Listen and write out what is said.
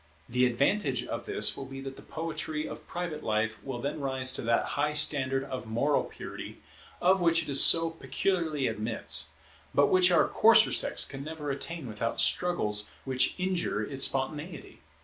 The advantage of this will be that the poetry of private life will then rise to that high standard of moral purity of which it so peculiarly admits, but which our coarser sex can never attain without struggles which injure its spontaneity.